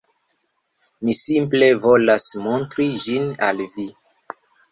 Mi simple volas montri ĝin al vi